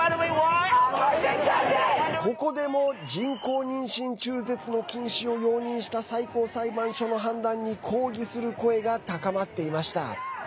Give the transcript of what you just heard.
ここでも人工妊娠中絶の禁止を容認した最高裁判所の判断に抗議する声が高まっていました。